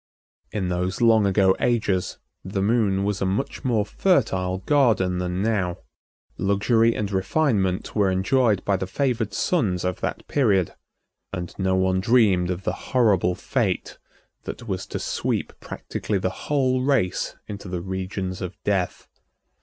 In those long ago ages the Moon was a much more fertile garden than now. Luxury and refinement were enjoyed by the favored sons of that period, and no one dreamed of the horrible fate that was to sweep practically the whole race into the regions of death.